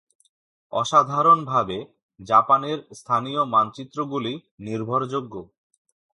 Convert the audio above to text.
সাধারণভাবে, জাপানের স্থানীয় মানচিত্রগুলি নির্ভরযোগ্য।